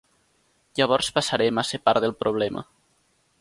Llavors passarem a ser part del problema.